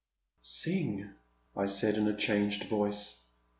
'Sing, I said in a changed voice.